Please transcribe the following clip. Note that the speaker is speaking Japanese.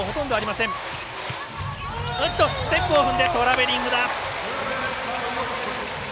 ステップを踏んでトラベリングだ。